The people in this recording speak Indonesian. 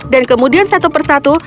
dan kemudian satu persatu